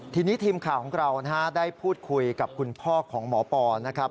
ทีนี้ทีมข่าวของเราได้พูดคุยกับคุณพ่อของหมอปอนะครับ